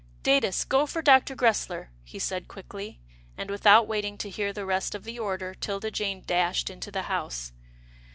" Datus, go for Dr. Gresler," he said quickly, and, without waiting to hear the rest of the order, 'Tilda Jane dashed into the house.